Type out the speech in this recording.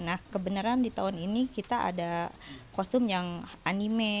nah kebenaran di tahun ini kita ada kostum yang anime